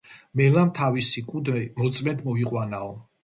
მელამ თავისი კუდი მოწმედ მოიყვანაო.